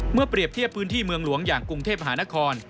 เปรียบเทียบพื้นที่เมืองหลวงอย่างกรุงเทพมหานคร